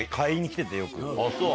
あぁそう。